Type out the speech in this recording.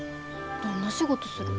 どんな仕事する？